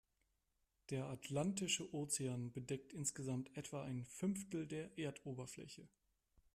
Der Atlantische Ozean bedeckt insgesamt etwa ein Fünftel der Erdoberfläche.